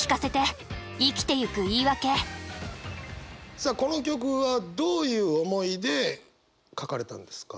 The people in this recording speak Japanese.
さあこの曲はどういう思いで書かれたんですか？